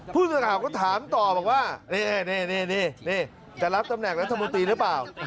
ผู้สื่อข่าวก็ถามต่อบอกว่านี่จะรับตำแหน่งรัฐมนตรีหรือเปล่า